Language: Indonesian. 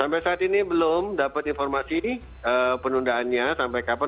sampai saat ini belum dapat informasi penundaannya sampai kapan